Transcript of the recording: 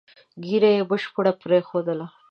ږیره یې بشپړه پرېښودله.